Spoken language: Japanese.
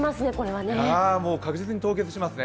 確実に凍結しますね。